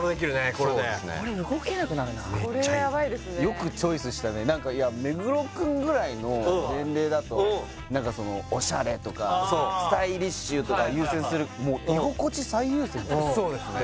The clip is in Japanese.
これでこれ動けなくなるなめっちゃいいよくチョイスしたね何かいや目黒くんぐらいの年齢だと何かそのオシャレとかスタイリッシュとか優先するもうそうですね